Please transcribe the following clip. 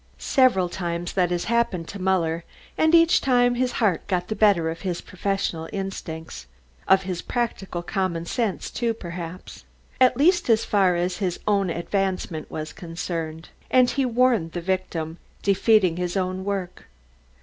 Several times that has happened to Muller, and each time his heart got the better of his professional instincts, of his practical common sense, too, perhaps,... at least as far as his own advancement was concerned, and he warned the victim, defeating his own work.